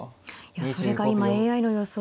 いやそれが今ＡＩの予想